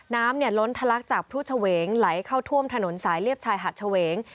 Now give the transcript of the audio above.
น้ำล้นทะลักจากพลุเฉวงไหลเข้าท่วมถนนสายเลียบชายหาดเฉวง